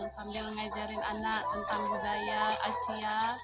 sambil ngajarin anak tentang budaya asia